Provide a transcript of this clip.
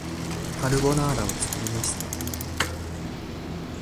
カルボナーラを作りました